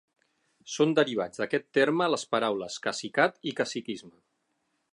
Són derivats d'aquest terme les paraules cacicat i caciquisme.